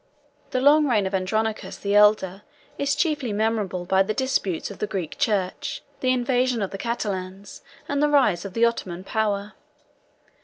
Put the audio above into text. The long reign of Andronicus 1 the elder is chiefly memorable by the disputes of the Greek church, the invasion of the Catalans, and the rise of the Ottoman power.